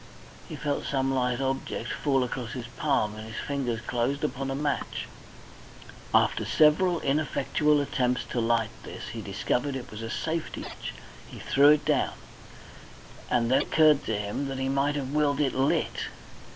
He felt some light object fall across his palm and his fingers closed upon a match. After several ineffectual attempts to light this, he discovered it was a safety match. He threw it down, and then it occurred to him that he might have willed it lit.